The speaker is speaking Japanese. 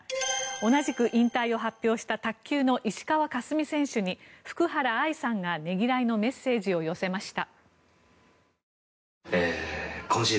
同じく引退を発表した卓球の石川佳純選手に福原愛さんがねぎらいのメッセージを寄せました。